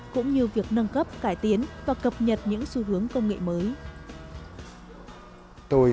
cũng như việc nâng cấp cải tiến và cập nhật những xu hướng công nghệ mới